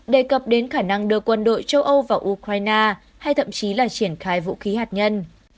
đề cập đến khả năng đưa quân đội châu âu vào ukraine hay thậm chí là triển khai vũ khí hạt nhân